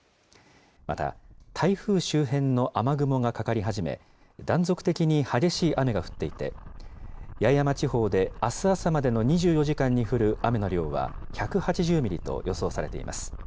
また台風周辺の雨雲がかかりはじめ、断続的に激しい雨が降っていて、八重山地方であす朝までの２４時間に降る雨の量は１８０ミリと予想されています。